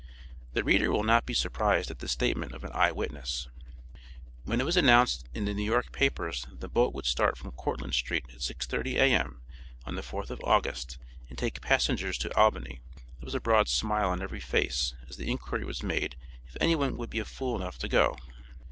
The reader will not be surprised at the statement of an eye witness: "When it was announced in the New York papers that the boat would start from Cortlandt street at 6:30 a. m., on the 4th of August, and take passengers to Albany, there was a broad smile on every face as the inquiry was made if any one would be fool enough to go?"